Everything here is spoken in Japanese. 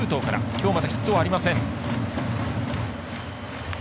きょうはまだヒットありません。